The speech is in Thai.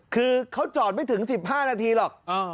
คือเขาจอดไม่ถึง๑๕นาทีหรอก